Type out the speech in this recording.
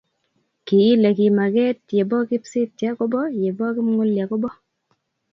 Kiile kimaget yebo kipsitia kobo; yebo kipng'ulia kobo.